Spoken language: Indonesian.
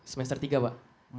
semester tiga pak